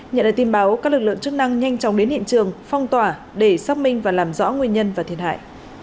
nhận được tin báo các lực lượng chức năng nhanh chóng đến hiện trường phong tỏa để xác minh và làm rõ nguyên nhân và thiệt hại